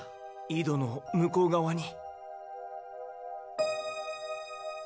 井戸の向こうがわに。